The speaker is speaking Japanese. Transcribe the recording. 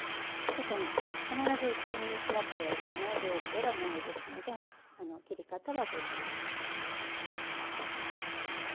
特に必ず薄切りにしなくてはいけない料理ではないですので切り方はご自由に。